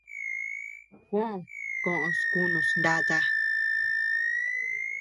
Juó koʼös kunus nata.